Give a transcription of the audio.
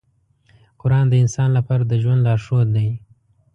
قرآن د انسان لپاره د ژوند لارښود دی.